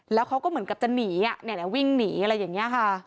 แล้วเขาก็เหมือนกับจะหนีวิ่งหนีอะไรอย่างนี้ค่ะ